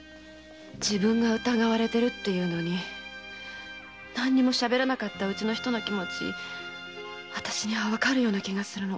自分が疑われてるっていうのに何も喋らなかったうちの人の気持ちあたしにはわかるような気がするの。